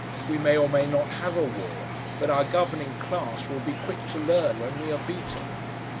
We may or may not have a war, but our governing class will be quick to learn when we are beaten.